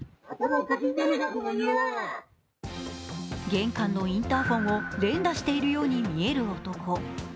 玄関のインターホンを連打しているように見える男。